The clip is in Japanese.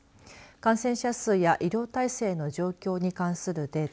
感染者数や医療体制の状況に関するデータ